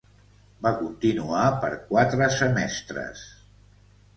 Va continuar per quatre semestres.